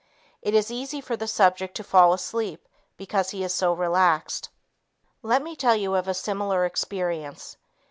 It is easy for the subject to fall asleep because he is so relaxed. Let me tell you of a similar experience.